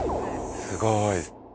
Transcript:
すごい。